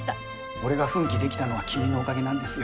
俺が奮起できたのは君のおかげなんですよ。